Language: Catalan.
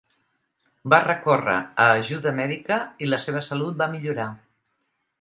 Va recórrer a ajuda mèdica i la seva salut va millorar.